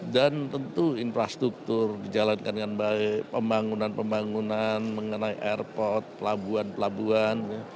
dan tentu infrastruktur dijalankan dengan baik pembangunan pembangunan mengenai airport pelabuhan pelabuhan